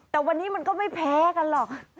แต่วันนี้มันก็ไม่แพ้กันหรอก